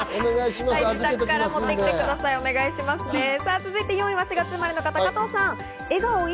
続いて４位は４月生まれの方、加藤さん。